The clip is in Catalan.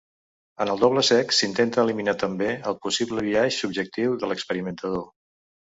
En el doble cec s'intenta eliminar també el possible biaix subjectiu de l'experimentador.